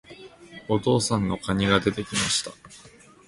お父さんの蟹が出て来ました。